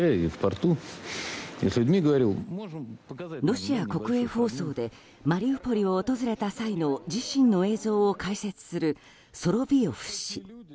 ロシア国営放送でマリウポリを訪れた際の自身の映像を解説するソロヴィヨフ氏。